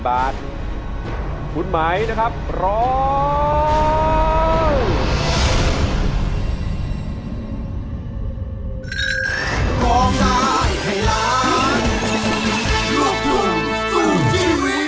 โปรดติดตามตอนต่อไป